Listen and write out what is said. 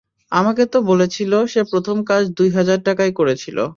আমাকে তো বলেছিল, সে প্রথম কাজ দুই হাজার টাকায় করেছিল।